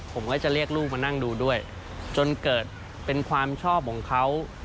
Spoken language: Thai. ผมก็จะเรียกลูกมานั่งดูด้วยจนเกิดเป็นความชอบของเขา